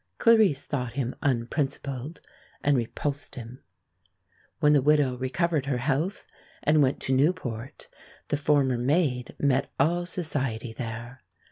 Clarice thought him unprincipled, and repulsed him. When the widow recovered her health and went to Newport, the former maid met all society there.